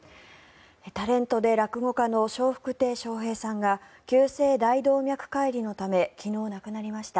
タレントで落語家の笑福亭笑瓶さんが急性大動脈解離のため昨日、亡くなりました。